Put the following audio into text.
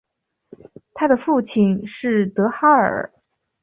她的父亲是德哈尔。